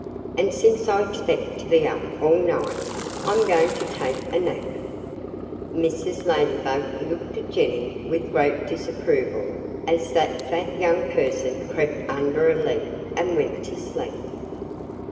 And since I expect to be up all night, I'm going to take a nap." Mrs. Ladybug looked at Jennie with great disapproval as that fat young person crept under a leaf and went to sleep.